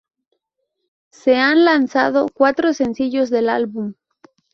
Se han lanzado cuatro sencillos del álbum.